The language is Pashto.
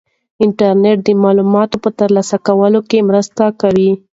انټرنيټ د معلوماتو په ترلاسه کولو کې مرسته کوي.